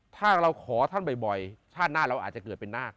ถ้าเราขอท่านบ่อยชาติหน้าเราอาจจะเกิดเป็นนาค